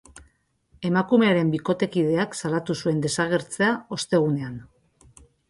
Emakumearen bikotekideak salatu zuen desagertzea, ostegunean.